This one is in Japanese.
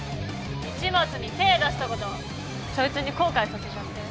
市松に手ぇ出したことそいつに後悔させちゃって。